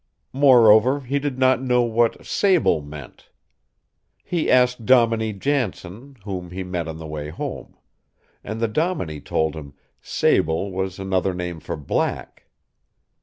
Moreover, he did not know what "sable" meant. He asked Dominie Jansen, whom he met on the way home. And the dominie told him "sable" was another name for "black."